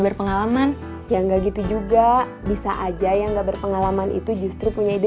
berpengalaman ya enggak gitu juga bisa aja yang nggak berpengalaman itu justru punya ide